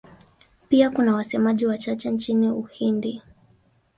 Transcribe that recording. Pia kuna wasemaji wachache nchini Uhindi.